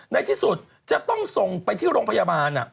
ในที่สุดจะต้องส่งไปที่โรงพยาบาล